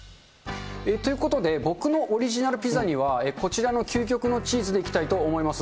ということで、僕のオリジナルピザには、こちらの究極のチーズでいきたいと思います。